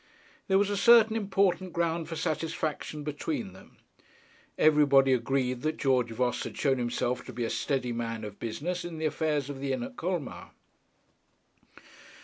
There was a certain important ground for satisfaction between them. Everybody agreed that George Voss had shown himself to be a steady man of business in the affairs of the inn at Colmar.